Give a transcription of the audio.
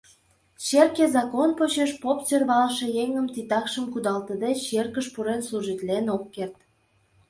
Черке закон почеш поп, сӧрвалыше еҥын титакшым кудалтыде, черкыш пурен, служитлен ок керт...